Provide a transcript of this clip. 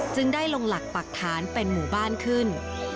ได้ลงหลักปรักฐานเป็นหมู่บ้านขึ้น